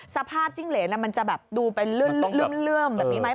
สภาพจิ้งเหลนมันจะดูไปเลื่อมแบบนี้ไหม